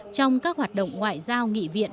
trong các hoạt động ngoại giao nghị viện